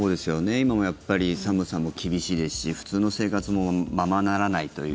今もやっぱり寒さも厳しいですし普通の生活もままならないという。